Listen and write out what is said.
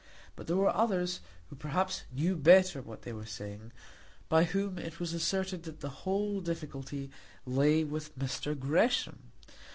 But there were others, who perhaps knew better what they were saying, by whom it was asserted that the whole difficulty lay with Mr. Gresham.